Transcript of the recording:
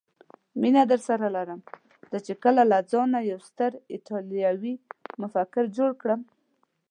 مینه درسره لرم، زه چې کله له ځانه یو ستر ایټالوي مفکر جوړ کړم.